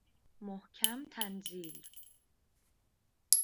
محکم تنزیل